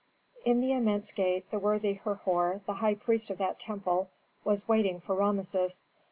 In the immense gate the worthy Herhor, the high priest of that temple, was waiting for Rameses.